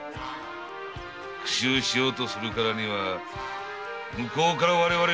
復讐しようとするからには向こうから我々に近づいてくるはずだ。